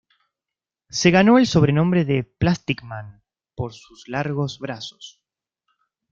Se ganó el sobrenombre de "Plastic Man" por sus largos brazos.